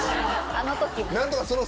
あの時の。